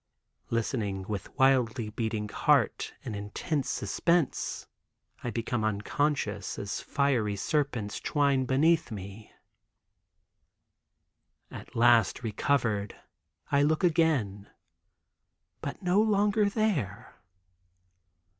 Listening with wildly beating heart in intense suspense, I become unconscious as fiery serpents twine beneath me. At last recovered I look again; but no longer there.